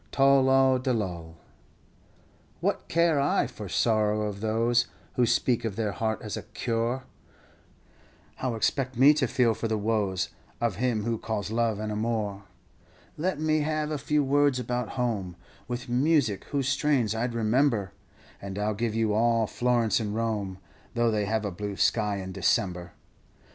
Tol lol de lol, etc. "'What care I for sorrows of those Who speak of their heart as a cuore; How expect me to feel for the woes Of him who calls love an amore! Let me have a few words about home, With music whose strains I 'd remember, And I 'll give you all Florence and Rome, Tho' they have a blue sky in December.